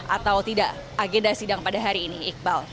atau tidak agenda sidang pada hari ini iqbal